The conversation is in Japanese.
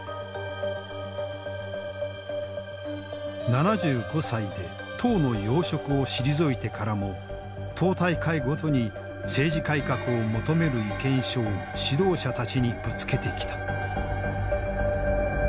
７５歳で党の要職を退いてからも党大会ごとに政治改革を求める意見書を指導者たちにぶつけてきた。